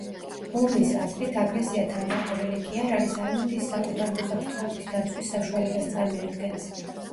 ჰორნის აზრით, აგრესია თანდაყოლილი კი არ არის, არამედ ის საკუთარი უსაფრთხოების დაცვის საშუალებას წარმოადგენს.